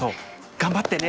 頑張ってね！